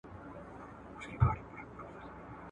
شاه شجاع باید د پیسو نیمایي برخه مهاراجا ته ورکړي.